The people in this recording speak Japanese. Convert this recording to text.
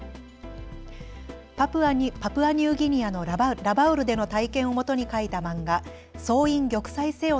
パプアニューギニアのラバウルでの体験をもとに描いた漫画、総員玉砕せよ！